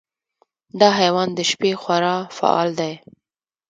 دا حیوان د شپې خورا فعال دی.